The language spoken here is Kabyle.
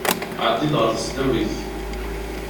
Ɛeddi-d ɣer tesdawit.